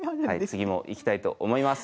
次もいきたいと思います。